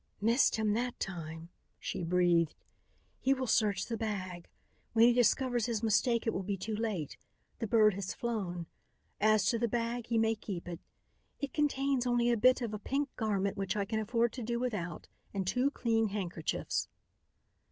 "Missed him that time," she breathed. "He will search the bag. When he discovers his mistake it will be too late. The bird has flown. As to the bag, he may keep it. It contains only a bit of a pink garment which I can afford to do without, and two clean handkerchiefs."